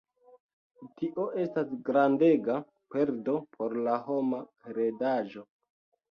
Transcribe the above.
Tio estas grandega perdo por la homa heredaĵo.